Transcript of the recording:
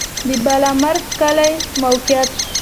د بالامرګ کلی موقعیت